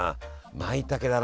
まいたけだな。